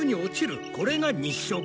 これが日食。